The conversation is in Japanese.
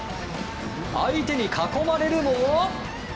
相手に囲まれるも。